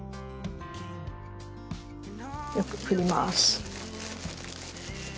よくふります。